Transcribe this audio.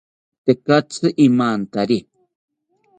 Tekatzi imantari